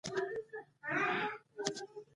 ژوند هدف ته اړتیا لري